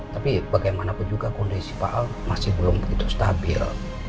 tapi bagaimanapun juga kondisi pak ahok masih belum begitu stabil